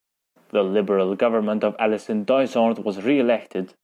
The Liberal government of Allison Dysart was re-elected.